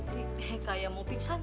bukul surti kayak mau piksan